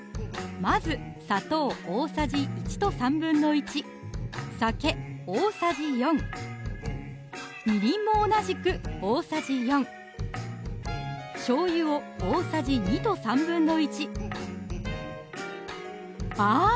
まず砂糖大さじ１と１／３・酒大さじ４・みりんも同じく大さじ４・しょうゆを大さじ２と１／３あぁ！